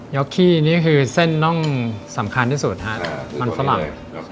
ยอกคี่นี่คือเส้นนองสำคัญที่สุดครับค่ะมันฝรั่ง